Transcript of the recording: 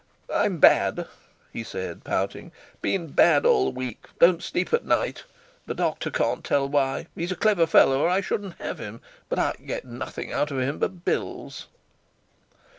"I'm bad," he said, pouting—"been bad all the week; don't sleep at night. The doctor can't tell why. He's a clever fellow, or I shouldn't have him, but I get nothing out of him but bills."